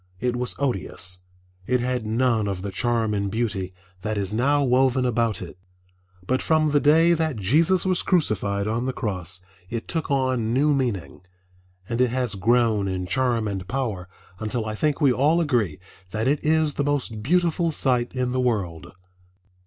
It was odious. It had none of the charm and beauty that is now woven about it. But from the day that Jesus was crucified on the cross it took on new meaning, and it has grown in charm and power until I think we all agree that it is the most beautiful sight in the world.